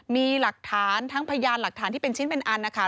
มีหลักฐานทั้งพยานหลักฐานที่เป็นชิ้นเป็นอันนะคะ